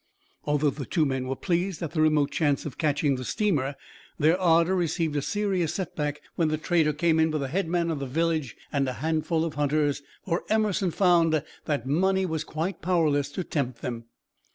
Although the two men were pleased at the remote chance of catching the steamer, their ardor received a serious set back when the trader came in with the head man of the village and a handful of hunters, for Emerson found that money was quite powerless to tempt them.